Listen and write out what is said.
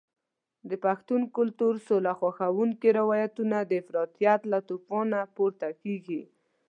د پښتون کلتور سوله خوښونکي روایتونه د افراطیت له توپانه پورته کېږي.